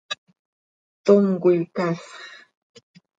¡Tom coi casx!